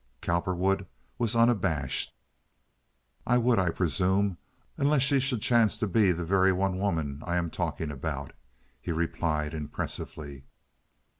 Cowperwood was unabashed. "It would, I presume, unless she should chance to be the very one woman I am talking about," he replied, impressively.